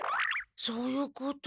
そういうこと。